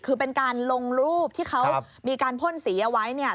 คือเป็นการลงรูปที่เขามีการพ่นสีเอาไว้เนี่ย